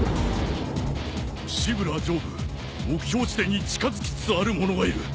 シブラー上部目標地点に近づきつつある者がいる。